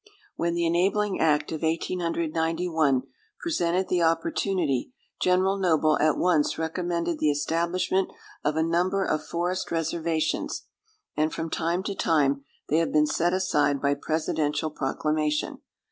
When the enabling act of 1891 presented the opportunity, General Noble at once recommended the establishment of a number of forest reservations, and from time to time they have been set aside by presidential proclamation.